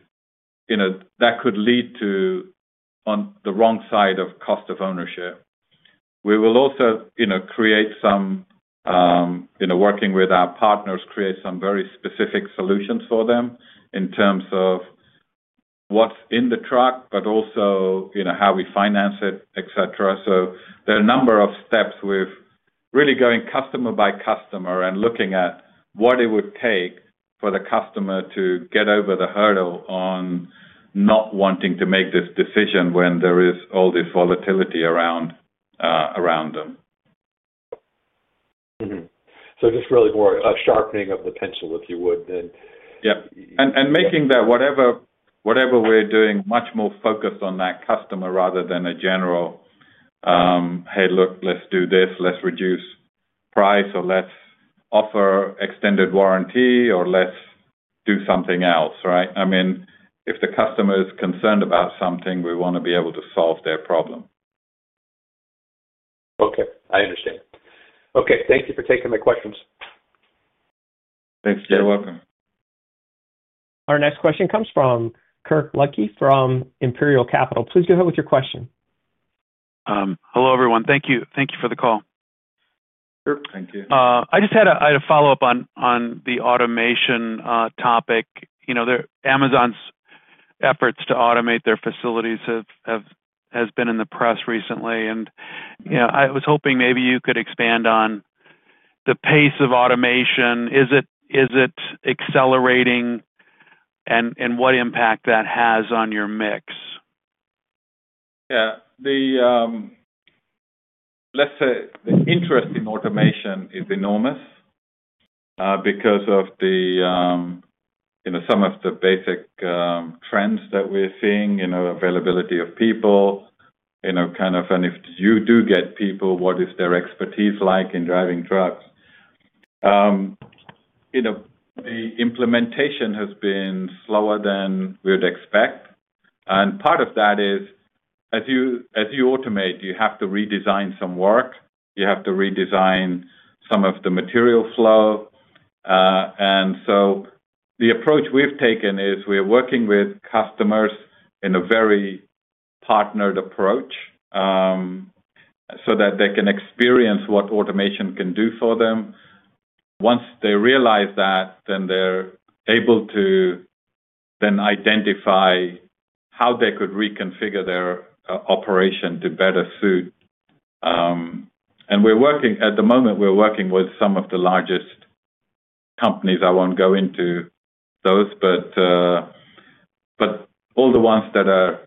That could lead to being on the wrong side of cost of ownership. We will also create some, working with our partners, create some very specific solutions for them in terms of what's in the truck, but also how we finance it, etc. There are a number of steps. We're really going customer by customer and looking at what it would take for the customer to get over the hurdle on not wanting to make this decision when there is all this volatility around them. So just really more sharpening of the pencil, if you would, then. Yeah. And making that whatever we're doing, much more focused on that customer rather than a general, "Hey, look, let's do this. Let's reduce price," or, "Let's offer extended warranty," or, "Let's do something else," right? I mean, if the customer is concerned about something, we want to be able to solve their problem. Okay. I understand. Okay. Thank you for taking my questions. Thanks. You're welcome. Our next question comes from Kirk Ludtke from Imperial Capital. Please go ahead with your question. Hello, everyone. Thank you for the call. Sure. Thank you. I just had a follow-up on the automation topic. Amazon's efforts to automate their facilities have been in the press recently. And I was hoping maybe you could expand on the pace of automation. Is it accelerating, and what impact that has on your mix? Yeah. Let's say the interest in automation is enormous. Because of some of the basic trends that we're seeing, availability of people. Kind of, and if you do get people, what is their expertise like in driving trucks? The implementation has been slower than we would expect. Part of that is, as you automate, you have to redesign some work. You have to redesign some of the material flow. The approach we've taken is we're working with customers in a very partnered approach so that they can experience what automation can do for them. Once they realize that, then they're able to identify how they could reconfigure their operation to better suit. At the moment, we're working with some of the largest companies. I won't go into those, but all the ones that are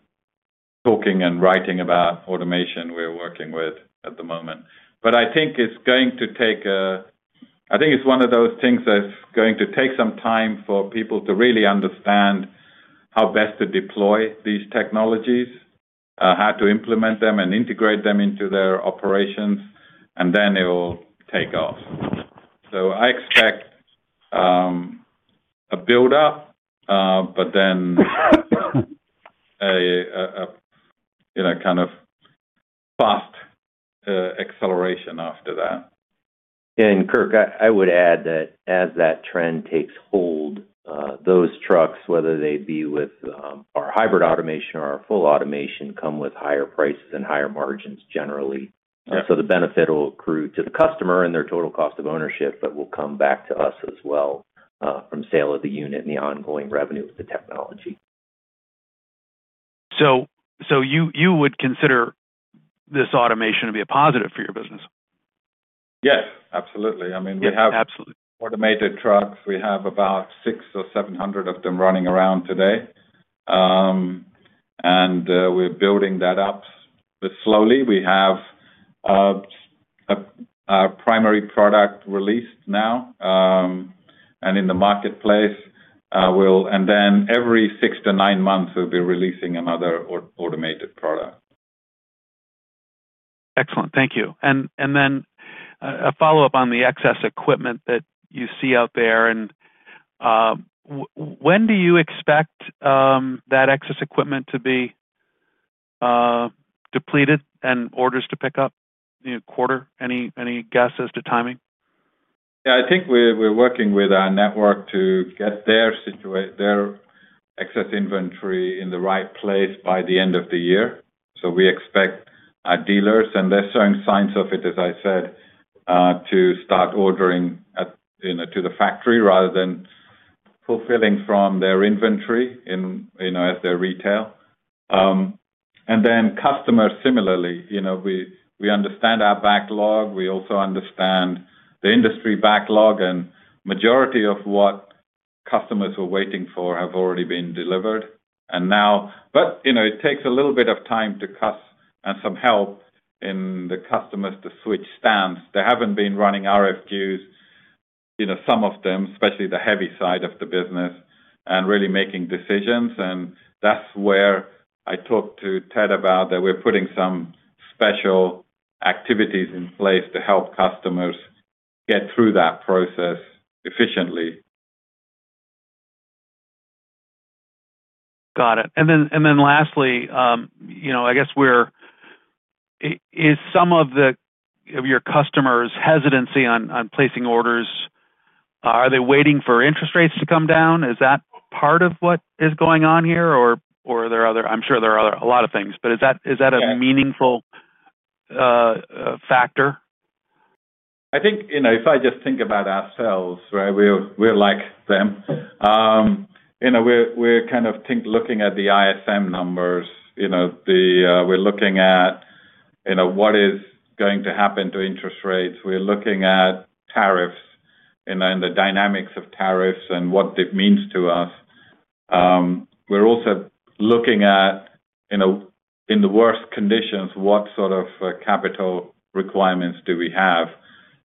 talking and writing about automation, we're working with at the moment. I think it's going to take a—I think it's one of those things that's going to take some time for people to really understand. How best to deploy these technologies, how to implement them and integrate them into their operations, and then it'll take off. I expect a build-up, but then a kind of fast acceleration after that. Kirk, I would add that as that trend takes hold, those trucks, whether they be with our hybrid automation or our full automation, come with higher prices and higher margins generally. The benefit will accrue to the customer and their total cost of ownership, but will come back to us as well from sale of the unit and the ongoing revenue of the technology. You would consider this automation to be a positive for your business? Yes. Absolutely. I mean, we have automated trucks. We have about 600 or 700 of them running around today. And we're building that up slowly. We have our primary product released now and in the marketplace. And then every six to nine months, we'll be releasing another automated product. Excellent. Thank you. And then a follow-up on the excess equipment that you see out there. And when do you expect that excess equipment to be depleted and orders to pick up? Quarter? Any guess as to timing? Yeah. I think we're working with our network to get their excess inventory in the right place by the end of the year. So we expect our dealers—and there are certain signs of it, as I said—to start ordering to the factory rather than fulfilling from their inventory as their retail. And then customers, similarly. We understand our backlog. We also understand the industry backlog. The majority of what customers were waiting for have already been delivered. It takes a little bit of time to cuss and some help in the customers to switch stance. They have not been running RFQs, some of them, especially the heavy side of the business, and really making decisions. That is where I talked to Ted about that we are putting some special activities in place to help customers get through that process efficiently. Got it. Lastly, I guess, is some of your customers' hesitancy on placing orders—are they waiting for interest rates to come down? Is that part of what is going on here, or are there other—I am sure there are a lot of things. Is that a meaningful factor? I think if I just think about ourselves, right, we are like them. We are kind of looking at the ISM numbers. We are looking at what is going to happen to interest rates. We're looking at tariffs and the dynamics of tariffs and what it means to us. We're also looking at, in the worst conditions, what sort of capital requirements do we have?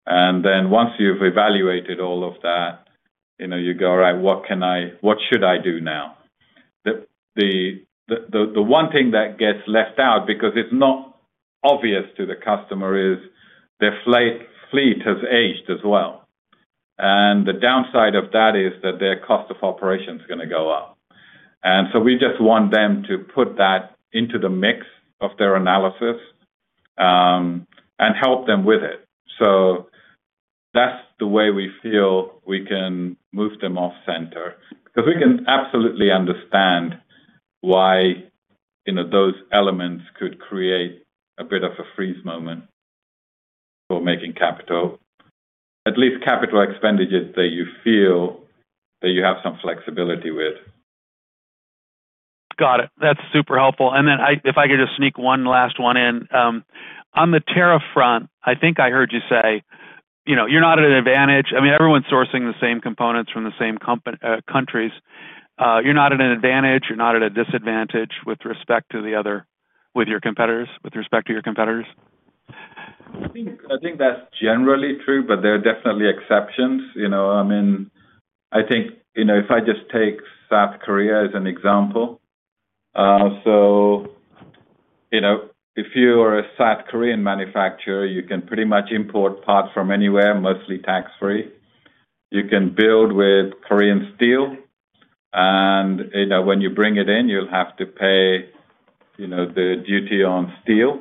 And then once you've evaluated all of that, you go, "All right, what should I do now?" The one thing that gets left out because it's not obvious to the customer is their fleet has aged as well. The downside of that is that their cost of operation is going to go up. We just want them to put that into the mix of their analysis and help them with it. That is the way we feel we can move them off center because we can absolutely understand why those elements could create a bit of a freeze moment. For making capital, at least capital expenditures that you feel that you have some flexibility with. Got it. That's super helpful. If I could just sneak one last one in. On the tariff front, I think I heard you say. You're not at an advantage. I mean, everyone's sourcing the same components from the same countries. You're not at an advantage. You're not at a disadvantage with respect to your competitors? I think that's generally true, but there are definitely exceptions. I mean, if I just take South Korea as an example. If you are a South Korean manufacturer, you can pretty much import parts from anywhere, mostly tax-free. You can build with Korean steel. When you bring it in, you'll have to pay the duty on steel.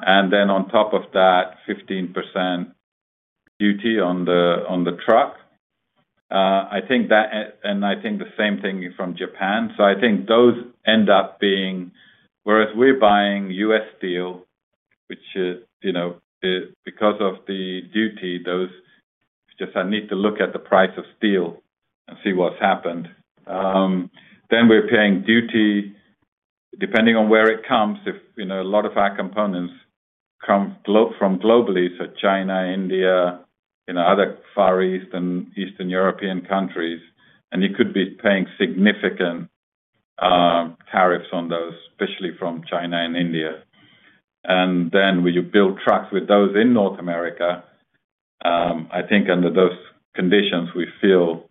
Then on top of that, 15%. Duty on the truck. I think the same thing from Japan. I think those end up being—whereas we're buying U.S. steel, which, because of the duty, those just—I need to look at the price of steel and see what's happened. We're paying duty depending on where it comes. A lot of our components come from globally, so China, India, other Far East and Eastern European countries, and you could be paying significant tariffs on those, especially from China and India. When you build trucks with those in North America, I think under those conditions, we feel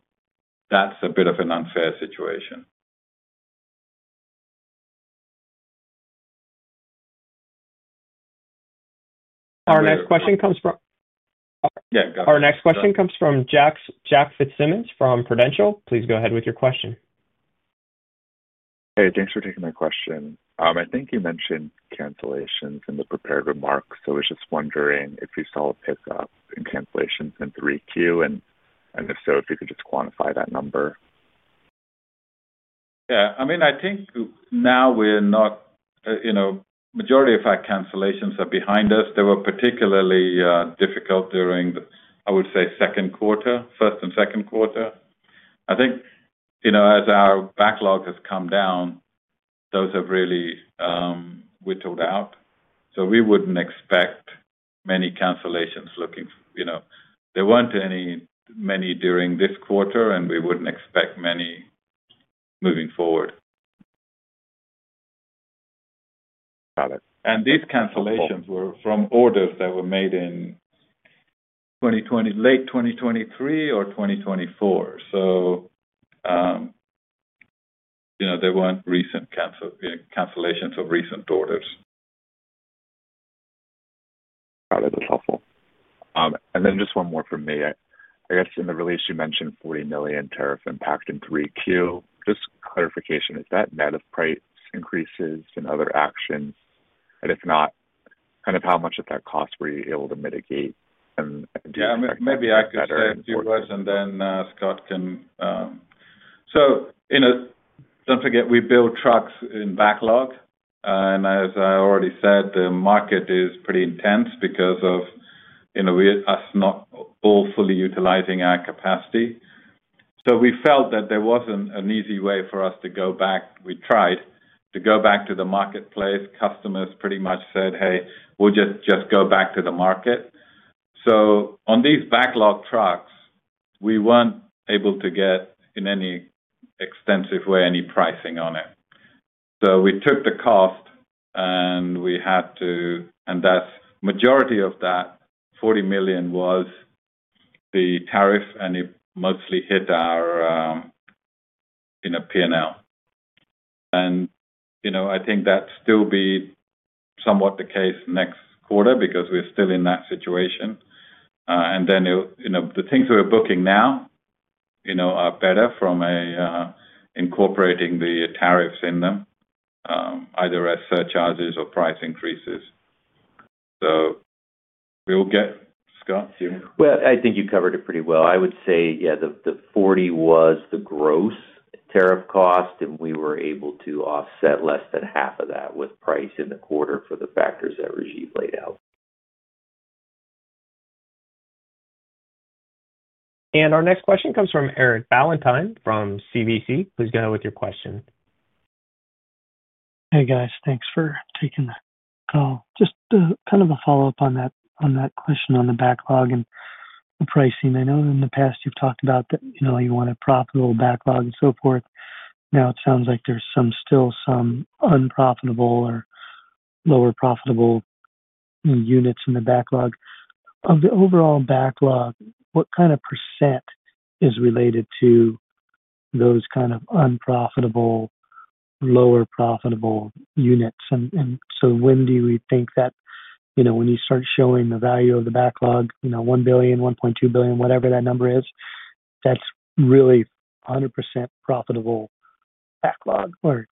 that's a bit of an unfair situation. Our next question comes from. Yeah, go ahead. Our next question comes from [Jack Fitzsimmons] from Prudential. Please go ahead with your question. Okay. Thanks for taking my question. I think you mentioned cancellations in the prepared remarks, so I was just wondering if you saw a pickup in cancellations in 3Q, and if so, if you could just quantify that number. Yeah. I mean, I think now we're not—the majority of our cancellations are behind us. They were particularly difficult during, I would say, second quarter, first and second quarter. I think as our backlog has come down, those have really whittled out. We wouldn't expect many cancellations looking—there weren't many during this quarter, and we wouldn't expect many moving forward. Got it. And these cancellations were from orders that were made in late 2023 or 2024. There weren't cancellations of recent orders. Got it. That's helpful. And then just one more from me. I guess in the release, you mentioned $40 million tariff impact in 3Q. Just clarification, is that net of price increases and other actions? If not, kind of how much of that cost were you able to mitigate and do better? Yeah. Maybe I could say a few words, and then Scott can. Do not forget, we build trucks in backlog. As I already said, the market is pretty intense because of us not all fully utilizing our capacity. We felt that there was not an easy way for us to go back. We tried to go back to the marketplace. Customers pretty much said, "Hey, we will just go back to the market." On these backlog trucks, we were not able to get in any extensive way any pricing on it. We took the cost. We had to, and the majority of that $40 million was the tariff, and it mostly hit our P&L. I think that will still be somewhat the case next quarter because we're still in that situation. The things we're booking now are better from incorporating the tariffs in them, either as surcharges or price increases. We'll get—Scott, do you want to. I think you covered it pretty well. I would say, yeah, the $40 million was the gross tariff cost, and we were able to offset less than half of that with price in the quarter for the factors that Rajiv laid out. Our next question comes from Eric Ballantine from CVC. Please go ahead with your question. Hey, guys. Thanks for taking the call. Just kind of a follow-up on that question on the backlog and the pricing. I know in the past you've talked about that you want a profitable backlog and so forth. Now it sounds like there's still some unprofitable or lower profitable units in the backlog. Of the overall backlog, what kind of percent is related to those kind of unprofitable, lower profitable units? When do you think that when you start showing the value of the backlog, $1 billion, $1.2 billion, whatever that number is, that's really 100% profitable backlog or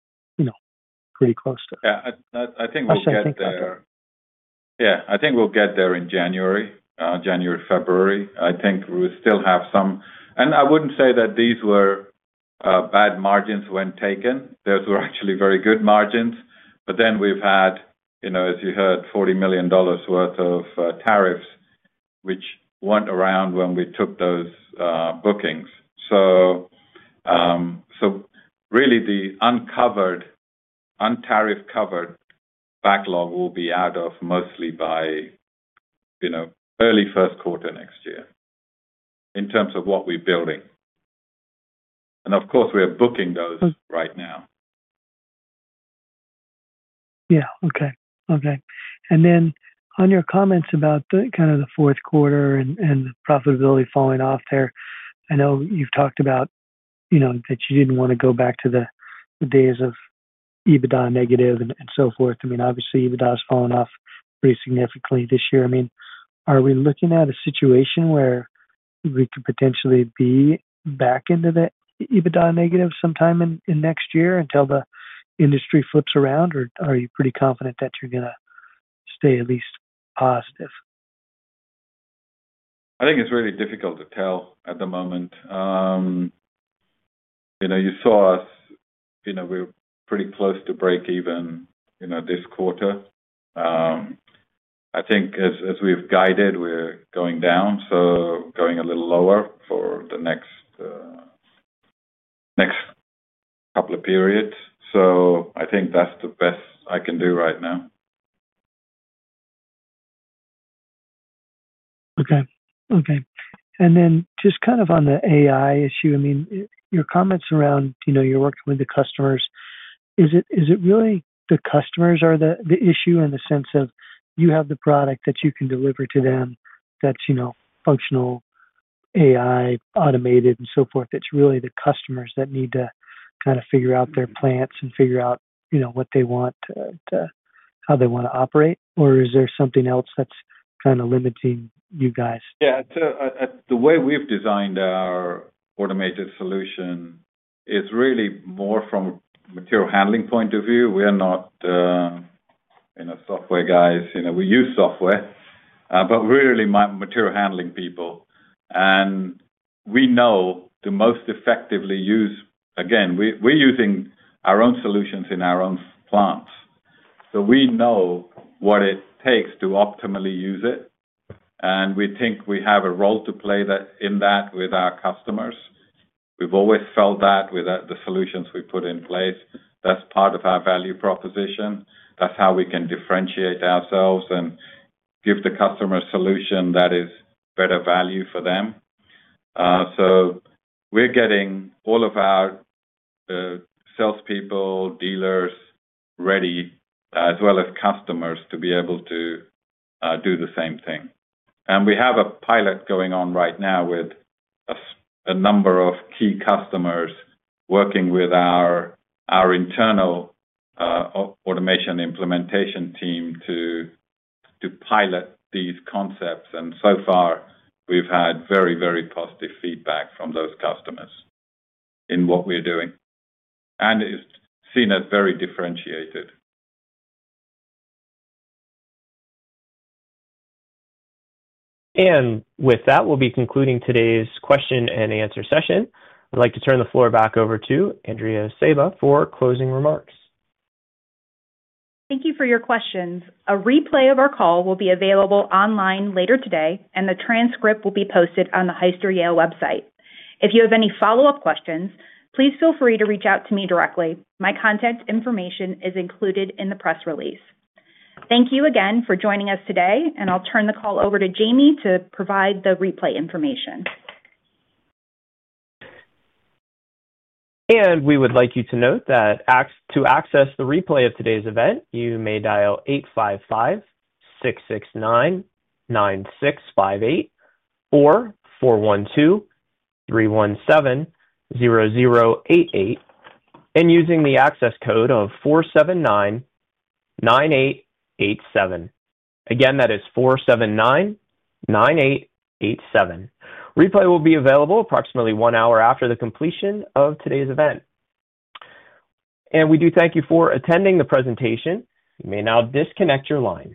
pretty close to? Yeah. I think we'll get there. Yeah. I think we'll get there in January, January, February. I think we still have some. I wouldn't say that these were bad margins when taken. Those were actually very good margins. We've had, as you heard, $40 million worth of tariffs, which were not around when we took those bookings. Really, the uncovered, untariff-covered backlog will be out of mostly by early first quarter next year in terms of what we're building. Of course, we're booking those right now. Yeah. Okay. Okay. On your comments about the fourth quarter and the profitability falling off there, I know you've talked about that you did not want to go back to the days of EBITDA negative and so forth. I mean, obviously, EBITDA is falling off pretty significantly this year. I mean, are we looking at a situation where we could potentially be back into the EBITDA negative sometime in next year until the industry flips around, or are you pretty confident that you're going to stay at least positive? I think it's really difficult to tell at the moment. You saw us. We're pretty close to break even this quarter. I think as we've guided, we're going down, so going a little lower for the next couple of periods. I think that's the best I can do right now. Okay. Okay. And then just kind of on the AI issue, I mean, your comments around you're working with the customers, is it really the customers are the issue in the sense of you have the product that you can deliver to them that's functional. AI, automated, and so forth? It's really the customers that need to kind of figure out their plants and figure out what they want. How they want to operate, or is there something else that's kind of limiting you guys? Yeah. The way we've designed our automated solution is really more from a material handling point of view. We're not software guys. We use software, but we're really material handling people. And we know to most effectively use—again, we're using our own solutions in our own plants. We know what it takes to optimally use it. We think we have a role to play in that with our customers. We've always felt that with the solutions we put in place, that's part of our value proposition. That's how we can differentiate ourselves and give the customer a solution that is better value for them. We're getting all of our salespeople, dealers ready, as well as customers, to be able to do the same thing. We have a pilot going on right now with a number of key customers working with our internal automation implementation team to pilot these concepts. So far, we've had very, very positive feedback from those customers in what we're doing. It's seen as very differentiated. With that, we'll be concluding today's question and answer session. I'd like to turn the floor back over to Andrea Sejba for closing remarks. Thank you for your questions. A replay of our call will be available online later today, and the transcript will be posted on the Hyster-Yale website. If you have any follow-up questions, please feel free to reach out to me directly. My contact information is included in the press release. Thank you again for joining us today, and I'll turn the call over to Jamie to provide the replay information. We would like you to note that to access the replay of today's event, you may dial 855-669-9658 or 412-317-0088 and use the access code of 479-9887. Again, that is 479-9887. Replay will be available approximately one hour after the completion of today's event. We do thank you for attending the presentation. You may now disconnect your lines.